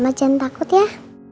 mbak ma jangan takut ya